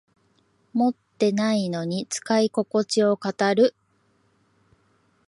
持ってないのに使いここちを語る